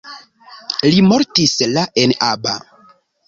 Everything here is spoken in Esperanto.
Li mortis la en Aba.